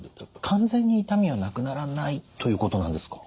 完全に痛みはなくならないということなんですか？